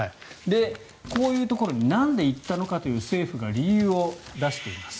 こういうところになんで行ったのかという政府が理由を出しています。